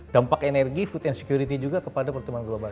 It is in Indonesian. dampak energi food insecurity juga kepada perteman global